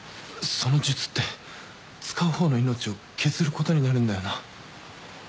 その術って使う方の命を削ることになるんだよな？